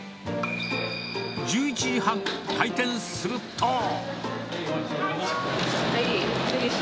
１１時半、開店すると。